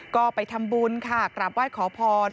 ก็ไปทำบุญค่ะกราบไหว้ขอพร